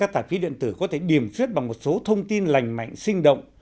tạp chí điện tử có thể điểm suyết bằng một số thông tin lành mạnh sinh động